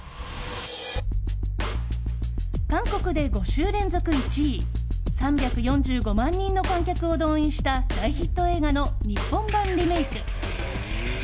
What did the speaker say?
韓国で５週連続１位３４５万人の観客を動員した大ヒット映画の日本版リメイク。